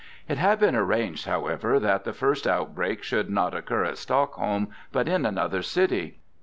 It had been arranged, however, that the first outbreak should not occur at Stockholm, but in another city.